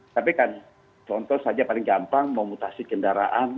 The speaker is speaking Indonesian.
tapi kan contoh saja paling gampang memutasi kendaraan